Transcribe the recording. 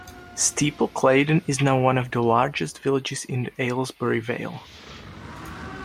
Steeple Claydon is now one of the largest villages in the Aylesbury Vale.